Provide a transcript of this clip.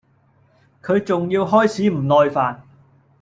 佢仲要開始唔耐煩